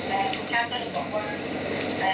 และคุณสัตว์ก็เลยบอกว่า